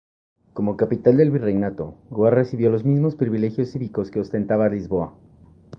Como capital del virreinato, Goa recibió los mismos privilegios cívicos que ostentaba Lisboa.